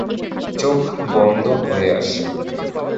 চোখ বন্ধ হয়ে আসে।